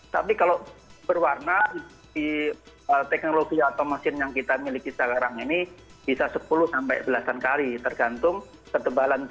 tapi kalau berwarna di teknologi atau mesin yang kita miliki sekarang ini bisa sepuluh sampai belasan kali tergantung ketebalan kita